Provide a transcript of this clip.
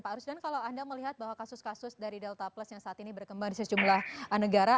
pak rusdan kalau anda melihat bahwa kasus kasus dari delta plus yang saat ini berkembang di sejumlah negara